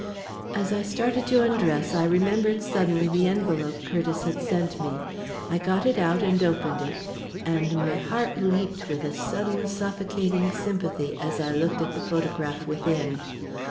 As I started to undress, I remembered suddenly the envelope Curtiss had sent me. I got it out and opened it, and my heart leaped with a sudden suffocating sympathy as I looked at the photograph within.